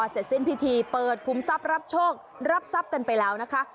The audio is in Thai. เสร็จสิ้นพิธีเปิดคุมทรัพย์รับโชครับทรัพย์กันไปแล้วนะคะ